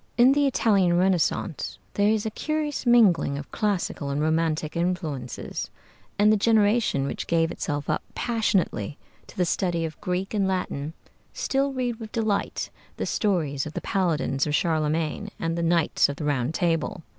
In the Italian Renaissance there is a curious mingling of classical and romantic influences, and the generation which gave itself up passionately to the study of Greek and Latin still read with delight the stories of the Paladins of Charlemagne and the Knights of the Round Table.